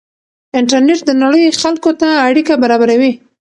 انټرنېټ د نړۍ خلکو ته اړیکه برابروي.